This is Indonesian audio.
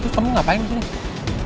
kamu ngapain di sini